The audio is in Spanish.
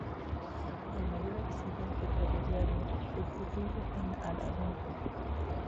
Es el mayor accidente ferroviario ocurrido en Aragón.